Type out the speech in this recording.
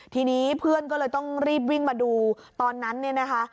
ทีนี้เพื่อนก็เลยต้องรีบวิ่งมาดูตอนนั้นเนี่ยนะคะ